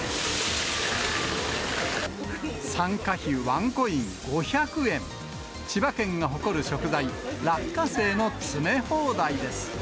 参加費ワンコイン、５００円、千葉県が誇る食材、落花生の詰め放題です。